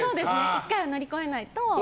１回は乗り越えないと。